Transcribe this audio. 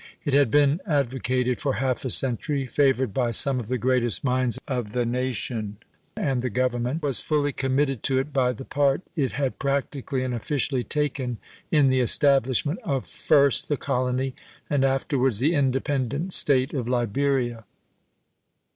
It had been advocated for half a century, favored by some of the greatest minds of the nation, and the Government was fully committed to it by the part it had practically and officially taken in the establishment of first the colony, and afterwards the independent state of Liberia.